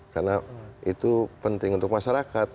karena itu penting untuk masyarakat